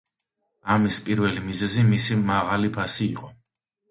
ამის პირველი მიზეზი მისი მაღალი ფასი იყო.